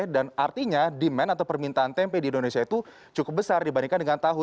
dan artinya demand atau permintaan tempe di indonesia itu cukup besar dibandingkan dengan tahu